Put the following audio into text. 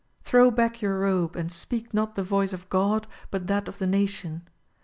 Throw back your robe and speak not the voice of God, but that of the nation.